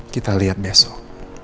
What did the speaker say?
kita liat besok